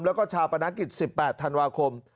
แล้วก็ชาปนกิจ๑๘ธันวาคม